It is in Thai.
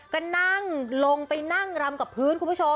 ก็นั่งลงไปนั่งลำกับพื้น